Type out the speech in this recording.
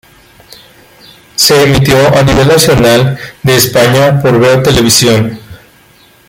Se emitió a nivel nacional de España por Veo Televisión.